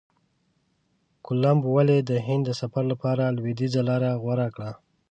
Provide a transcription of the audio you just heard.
کولمب ولي د هند د سفر لپاره لویدیځه لاره غوره کړه؟